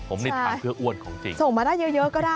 ผมนี่ทานเพื่ออ้วนของจริง